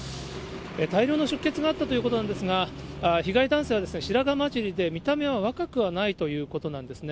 大量の出血があったということなんですが、被害男性は白髪交じりで、見た目は若くはないということなんですね。